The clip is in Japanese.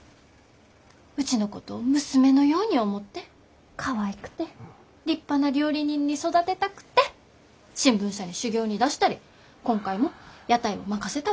うちのことを娘のように思ってかわいくて立派な料理人に育てたくて新聞社に修業に出したり今回も屋台を任せたわけ。